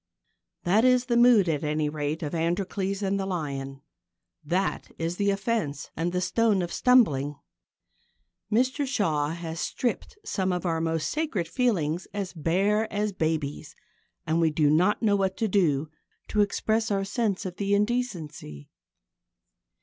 That is the mood, at any rate, of Androcles and the Lion. That is the offence and the stone of stumbling. Mr Shaw has stripped some of our most sacred feelings as bare as babies, and we do not know what to do to express our sense of the indecency.